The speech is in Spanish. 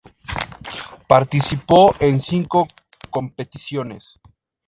Participó en cinco competiciones.